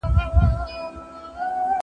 په هغه زمانه کي به خلګو له ښځو پیسې اخیستلې.